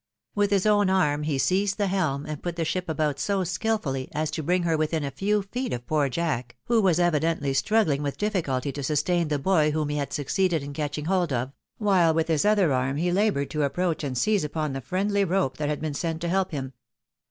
With his own arm he seized the helm, and put the ship about so skilfully, as to bring her within a few feet of poor Jack, who was evidently struggling with difBoulty to sustain the boy whom he had succeeded in catching hold of, while with his other arm he laboured to ap proach and seize upon the friendly rope that had been sent to help him.